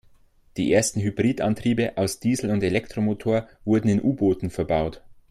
Die ersten Hybridantriebe aus Diesel- und Elektromotor wurden in U-Booten verbaut.